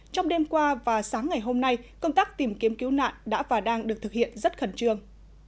trong đêm qua và sáng ngày hôm nay công tác tìm kiếm cứu nạn đã và đang được thực hiện rất khẩn trương